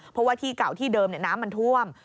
เพราะว่าที่เก่าที่เดิมน้ำมันท่วม